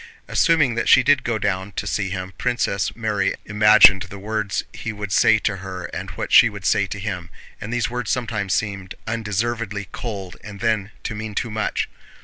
Assuming that she did go down to see him, Princess Mary imagined the words he would say to her and what she would say to him, and these words sometimes seemed undeservedly cold and then to mean too much.